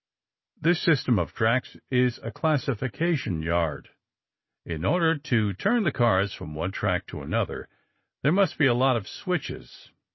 This system of tracks is a classification yard. In order to turn the cars from one track to another, there must be a lot of switches.